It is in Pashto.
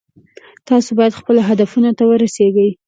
تاسو باید خپلو هدفونو ته ورسیږئ